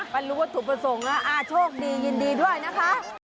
มันรู้ว่าถูกประสงค์แล้วโชคดียินดีด้วยนะคะ